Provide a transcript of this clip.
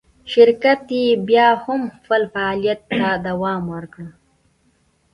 شرکت یې بیا هم خپل فعالیت ته دوام ورکړ.